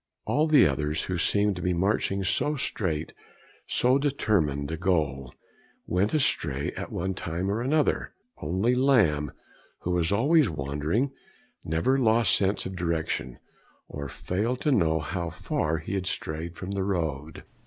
All the others, who seemed to be marching so straight to so determined a goal, went astray at one time or other; only Lamb, who was always wandering, never lost sense of direction, or failed to know how far he had strayed from the road.